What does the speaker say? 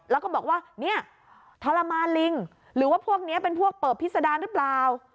แล้วก็บอกว่าเนี่ยทรมานลิงหรือว่าพวกนี้เป็นพวกเปิบพิษดารหรือเปล่า